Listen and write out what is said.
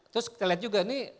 terus kita lihat juga nih